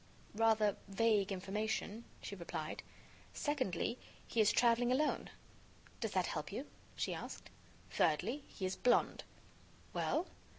"Rather vague information," she replied. "Secondly, he is traveling alone." "Does that help you?" she asked. "Thirdly, he is blonde." "Well?"